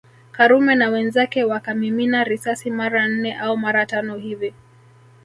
Karume na wenzake wakamimina risasi mara nne au mara tano hivi